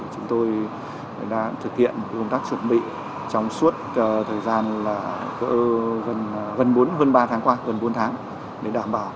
chúng tôi đang thực hiện công tác chuẩn bị trong suốt thời gian gần bốn tháng để đảm bảo